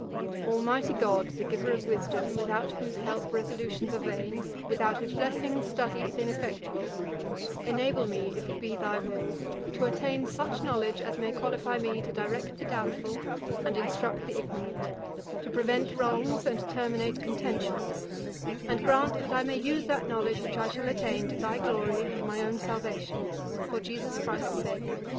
'Almighty GOD, the giver of wisdom, without whose help resolutions are vain, without whose blessing study is ineffectual; enable me, if it be thy will, to attain such knowledge as may qualify me to direct the doubtful, and instruct the ignorant; to prevent wrongs and terminate contentions; and grant that I may use that knowledge which I shall attain, to thy glory and my own salvation, for JESUS CHRIST'S sake.